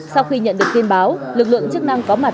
sau khi nhận được tin báo lực lượng chức năng có mặt